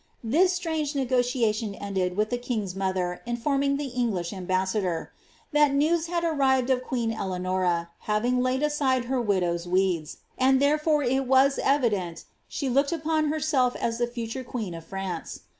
This strange negotiation ended with the kind's motlier informing the English ambassador ^^ that news had arrived oi queen Eleanora having laid aside her widow's weeds, and therefore it was evident she looked upon herself as the future queen of France.